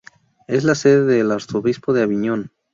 Es la sede del arzobispo de Aviñón.